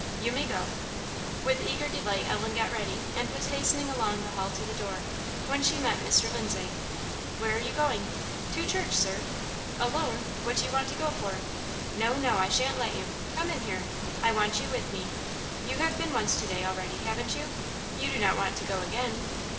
"You may go." With eager delight Ellen got ready, and was hastening along the hall to the door, when she met Mr. Lindsay. "Where are you going?" "To church, Sir." "Alone! what do you want to go for! No, no, I shan't let you. Come in here I want you with me; you have been once to day already, haven't you? You do not want to go again?"